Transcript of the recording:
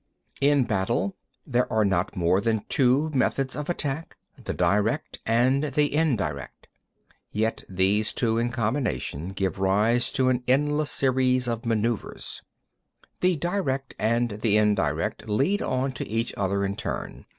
10. In battle, there are not more than two methods of attack—the direct and the indirect; yet these two in combination give rise to an endless series of manœuvers. 11. The direct and the indirect lead on to each other in turn.